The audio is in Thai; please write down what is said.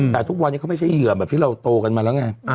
แต่ทุกวันนี้เขาไม่ใช่เหยื่อแบบที่เราโตกันมาแล้วไง